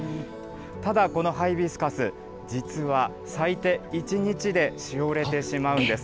ただ、このハイビスカス、実は咲いて１日でしおれてしまうんです。